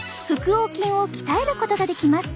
横筋を鍛えることができます。